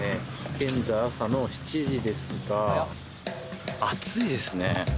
現在朝の７時ですが暑いですね